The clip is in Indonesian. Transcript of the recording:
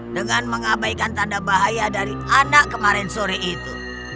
dengan mengabaikan tanda bahaya dari anak kemarin sore itu